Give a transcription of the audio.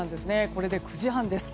これで９時半です。